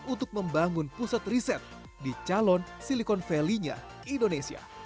untuk membangun pusat riset di calon silicon valley nya indonesia